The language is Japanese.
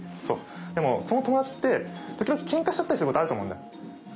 でもその友達って時々ケンカしちゃったりすることあると思うんだ。